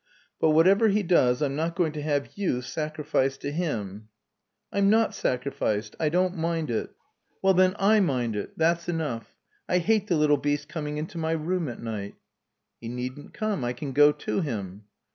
But whatever he does I'm not going to have you sacrificed to him." "I'm not sacrificed. I don't mind it." "Well, then, I mind it. That's enough. I hate the little beast coming into my room at night." "He needn't come. I can go to him."